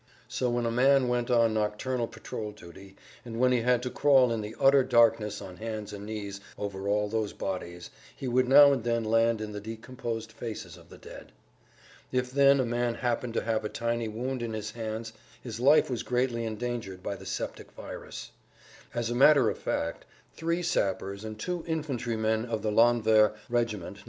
So when a man went on nocturnal patrol duty and when he had to crawl in the utter darkness on hands and knees over all those bodies he would now and then land in the decomposed faces of the dead. If then a man happened to have a tiny wound in his hands his life was greatly endangered by the septic virus. As a matter of fact three sappers and two infantrymen of the landwehr regiment No.